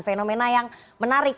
fenomena yang menarik